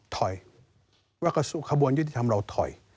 ถอยว่าขบวนยุติธรรมเราถอย